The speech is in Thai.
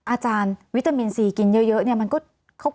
อาจารย์วิตามินซีกินเยอะเนี่ยมันก็